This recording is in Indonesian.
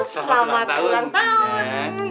selamat ulang tahun